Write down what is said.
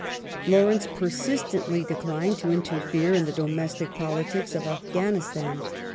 Lawrence persistently declined to interfere in the domestic politics of Afghanistan.